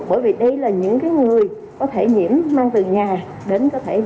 bởi vì đây là những cái người có thể nhiễm mang từ nhà đến có thể đi vào lớp